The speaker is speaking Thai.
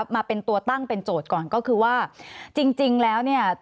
มาเป็นตัวตั้งเป็นโจทย์ก่อนก็คือว่าจริงแล้วเนี่ย